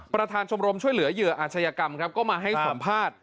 ประธานชมรมช่วยเหลือเหยื่ออาชญากรรมครับก็มาให้สัมภาษณ์